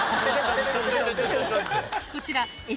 こちら。